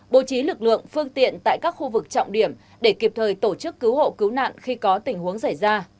bố trí lực lượng phương tiện tại các khu vực trọng điểm để kịp thời tổ chức cứu hộ cứu nạn khi có tình huống xảy ra